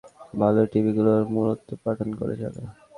বালুর ঢিবিগুলোর মূলোৎপাটন করে চলে।